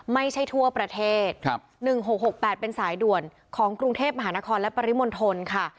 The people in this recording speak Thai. ไม่ใช่ทั่วประเทศ๑๖๖๘เป็นสายด่วนของกรุงเทพมหานครและปริมณฑลค่ะ